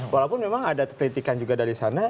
walaupun memang ada kritikan juga dari sana